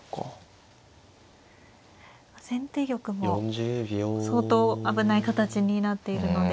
先手玉も相当危ない形になっているので。